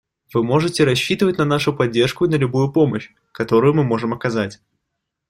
Вы можете рассчитывать на нашу поддержку и на любую помощь, которую мы можем оказать.